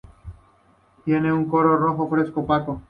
Tiene un color rojo fresco-opaco.